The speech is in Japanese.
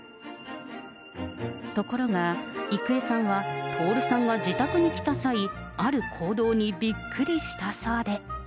ところが郁恵さんは徹さんが自宅に来た際、ある行動にびっくりしたそうで。